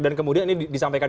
dan kemudian ini disampaikan ke